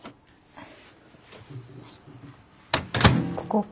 はい。